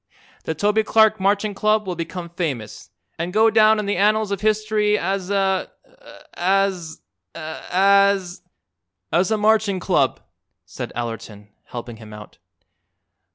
The Toby Clark Marching Club will become famous, an' go down in the annals of history as a as as " "As a Marching Club," said Allerton, helping him out.